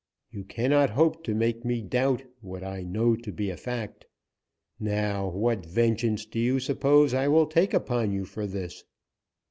You cannot hope to make me doubt what I know to be a fact. Now, what vengeance do you suppose I will take upon you for this?"